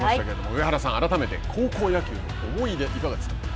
上原さん、改めて高校野球の思い出、いかがですか。